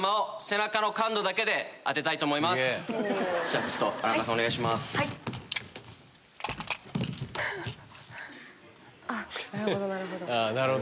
あっなるほどなるほど。